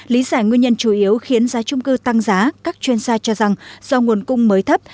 lý giải nguyên nhân chủ yếu khiến giá trung cư tăng giá các chuyên gia cho rằng do nguồn cung mới thấp